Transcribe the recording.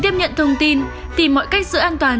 tiếp nhận thông tin tìm mọi cách giữ an toàn